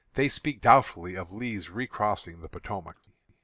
They speak doubtfully of Lee's recrossing the Potomac.